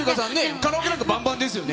カラオケなんかばんばんですよね？